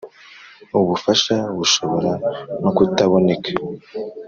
Ubufasha bushobora no kutaboneka